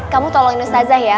kamu tolongin ustazah ya